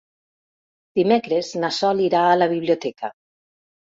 Dimecres na Sol irà a la biblioteca.